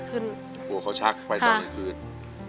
กลัวเขาชักไปตอนที่พื้น